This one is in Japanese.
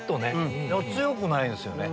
強くないんですよね。